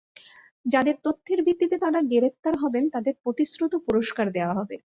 যাঁদের তথ্যের ভিত্তিতে তাঁরা গ্রেপ্তার হবেন, তাঁদের প্রতিশ্রুত পুরস্কার দেওয়া হবে।